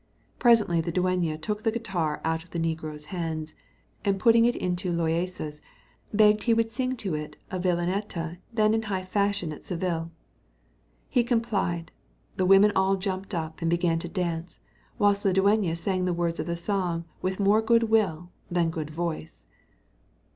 Presently the dueña took the guitar out of the negro's hands, and putting it into Loaysa's, begged he would sing to it a villanetta then in high fashion at Seville. He complied; the women all jumped up, and began to dance; whilst the dueña sang the words of the song with more good will than good voice.